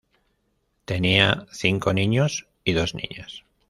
Tenían cinco niños y dos niñas.